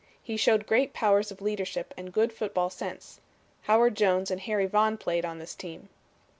He showed great powers of leadership and good football sense. Howard Jones and Harry Vaughn played on this team."